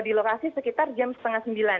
di lokasi sekitar jam setengah sembilan